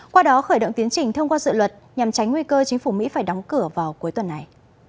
qua đó khởi động tiến trình thông qua dự luật nhằm tránh nguy cơ chính phủ mỹ phải đóng cửa vào cuối tuần này